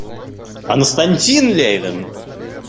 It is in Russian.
Константин Левин.